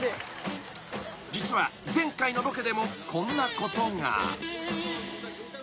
［実は前回のロケでもこんなことが］